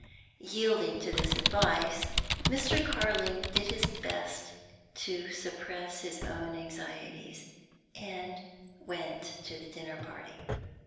Yielding to this advice, Mr. Carling did his best to suppress his own anxieties, and went to the dinner party.